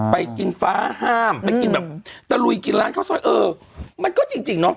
ไปกินฟ้าห้ามไปกินแบบตะลุยกินร้านข้าวซอยเออมันก็จริงเนาะ